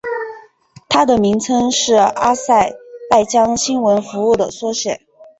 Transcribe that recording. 它的名称是阿塞拜疆新闻服务的缩写。